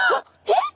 えっ？